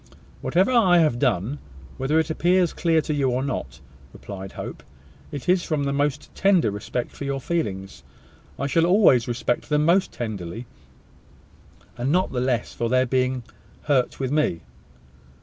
"Whatever I have done, whether it appears clear to you or not," replied Hope, "it is from the most tender respect for your feelings. I shall always respect them most tenderly; and not the less for their being hurt with me."